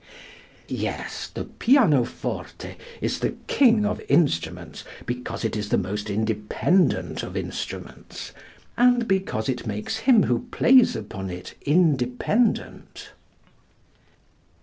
Yes, the pianoforte is the king of instruments because it is the most independent of instruments and because it makes him who plays upon it independent.